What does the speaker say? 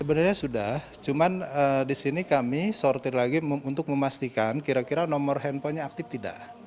sebenarnya sudah cuman disini kami sortir lagi untuk memastikan kira kira nomor handphonenya aktif tidak